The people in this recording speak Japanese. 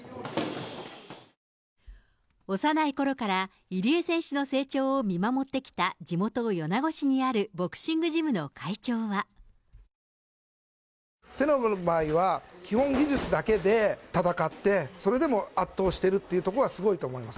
幼いころから入江選手の成長を見守ってきた地元、米子市にあ聖奈の場合は、基本技術だけで戦って、それでも圧倒しているというところがすごいと思います。